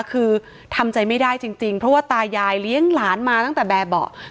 คือทำใจไม่ได้จริงเพราะว่าตายายเลี้ยงหลานมาตั้งแต่แบบเบาะ